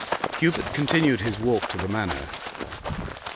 Hubert continued his walk to the Manor.